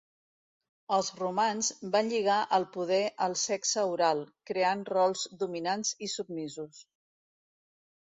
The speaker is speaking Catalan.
Els romans van lligar el poder al sexe oral, creant rols dominants i submisos.